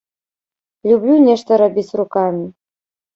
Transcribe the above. Люблю нешта рабіць рукамі.